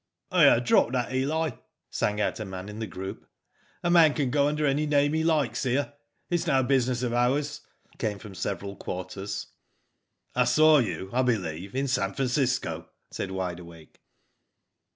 *'Here, drop that, Eli," sang out a man in the group, '* a man can go under any name he likes • here It is no business of ours." *' Right you are, mate," came from several quarters. *' I saw you, I believe, in San Francisco," said Wide Awake.